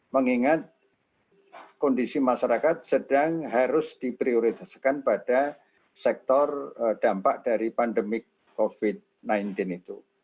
mengingat kondisi masyarakat sedang harus diprioritaskan pada sektor dampak dari pandemik covid sembilan belas itu